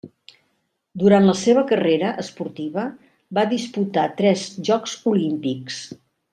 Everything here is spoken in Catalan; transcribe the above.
Durant la seva carrera esportiva va disputar tres Jocs Olímpics.